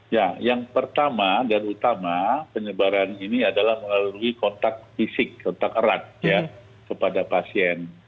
ya yang pertama dan utama penyebaran ini adalah melalui kontak fisik kontak erat ya kepada pasien